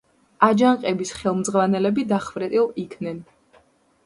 აჯანყების ხელმძღვანელები დახვრეტილ იქნენ.